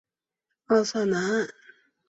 奥萨南岸。